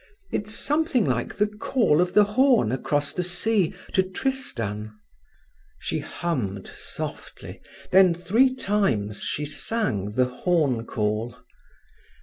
It's something like the call of the horn across the sea to Tristan." She hummed softly, then three times she sang the horn call.